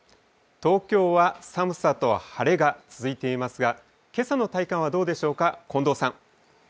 東京は寒さと晴れが続いていますが、けさの体感はどうでしょうか。